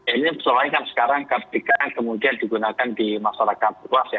ini persoalannya kan sekarang ketika kemudian digunakan di masyarakat luas ya